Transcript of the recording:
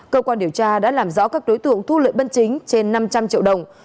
cơ quan điều tra đã làm rõ các đối tượng thu lợi bất chính trên năm trăm linh triệu đồng